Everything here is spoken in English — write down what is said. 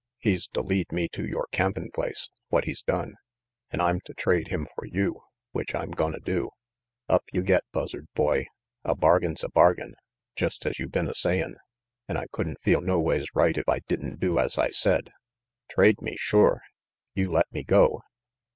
He's to lead me to yore campin' place, what he's done; an' I'm to trade him for you, which I'm gonna do. Up you get, Buzzard Boy. A bargain's RANGY PETE 117 a bargain, jest as you been a sayin', an' I could'n feel noways right if I didn't do as I said." "Trade me, sure. You let me go."